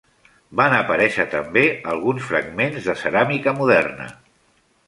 Van aparèixer també alguns fragments de ceràmica moderna.